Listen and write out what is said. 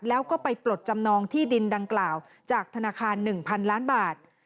แล้วก็ไปปลดจำนองที่ดินดังกล่าวจากธนาคาร๑๐๐๐ล้านบาท